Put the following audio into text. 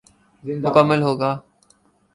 مکمل ہو گا۔